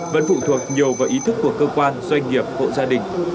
vẫn phụ thuộc nhiều vào ý thức của cơ quan doanh nghiệp hộ gia đình